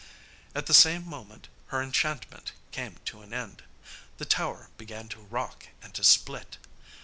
At the same moment her enchantment came to an end. The tower began to rock and to split.